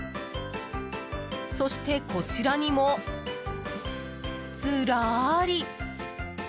そしてこちらにも、ずらーり。